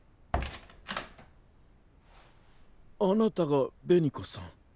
あなたが紅子さん。